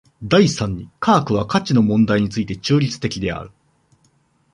第三に科学は価値の問題について中立的である。